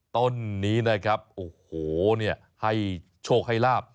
ต้นนี้นะครับโอ้โหให้โชคให้ลาบ